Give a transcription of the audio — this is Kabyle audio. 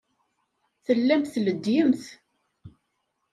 Tellamt tleddyemt.